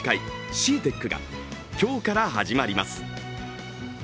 ＣＥＡＴＥＣが今日から始まります。